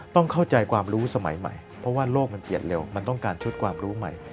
ต้องเข้าใจความรู้สมัยใหม่เพราะว่าโลกมันเปลี่ยนเร็วมันต้องการชุดความรู้ใหม่